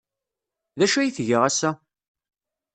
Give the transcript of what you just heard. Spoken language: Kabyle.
D acu ay tga ass-a?